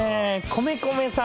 米米さん